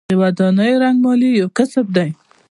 د ودانیو رنګمالي یو کسب دی